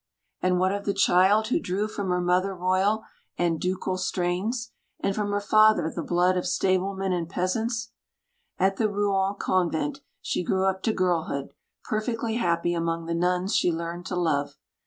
And what of the child who drew from her mother royal and ducal strains, and from her father the blood of stablemen and peasants? At the Rouen convent she grew up to girlhood, perfectly happy, among the nuns she learned to love.